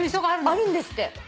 あるんですって。